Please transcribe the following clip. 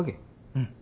うん。